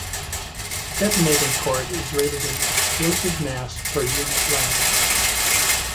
Detonating cord is rated in explosive mass per unit length.